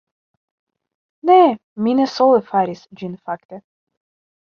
Ne, mi ne sole faris ĝin fakte